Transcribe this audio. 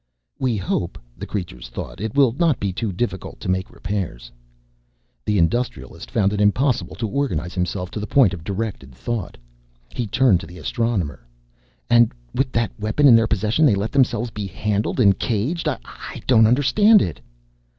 "We hope," the creatures thought, "it will not be too difficult to make repairs." The Industrialist found it impossible to organize himself to the point of directed thought. He turned to the Astronomer. "And with that weapon in their possession they let themselves be handled and caged? I don't understand it."